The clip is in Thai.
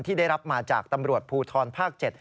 ได้รับมาจากตำรวจภูทรภาค๗